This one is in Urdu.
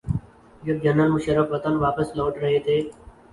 جب جنرل مشرف وطن واپس لوٹ رہے تھے۔